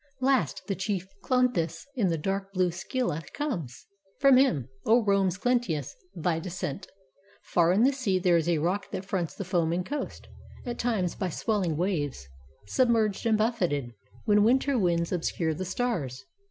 Last, the chief Cloanthus, in the dark blue Scylla comes; From him, O Rome's Cluentius, thy descent. Far in the sea there is a rock that fronts The foaming coast, at times by swelling waves Submerged and buffeted, when winter winds Obscure the stars.